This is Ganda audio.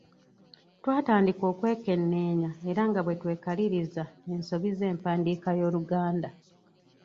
Twatandika okwekenneenya era nga bwe twekaliriza ensobi z’empandiika y’Oluganda.